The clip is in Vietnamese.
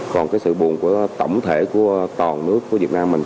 còn cái sự bùng của tổng thể của toàn nước của việt nam mình